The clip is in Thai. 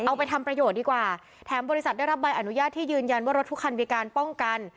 เอาไปทำประโยชน์ดีกว่าแถมบริษัทได้รับใบอนุญาตที่ยืนยันว่ารถทุกคันมีการป้องกัน